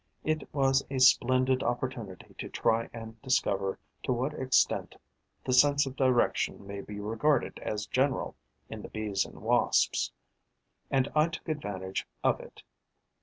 It was a splendid opportunity to try and discover to what extent the sense of direction may be regarded as general in the Bees and Wasps; and I took advantage of it.